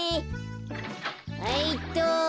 はいっと。